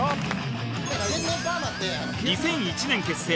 ２００１年結成